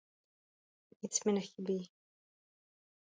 nic mi nechybí.